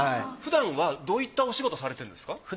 ふだんはどういったお仕事されてるんですか？